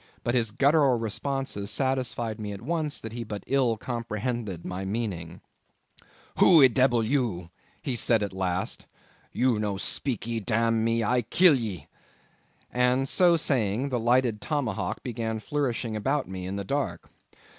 But his guttural responses satisfied me at once that he but ill comprehended my meaning. "Who e debel you?"—he at last said—"you no speak e, dam me, I kill e." And so saying the lighted tomahawk began flourishing about me in the dark.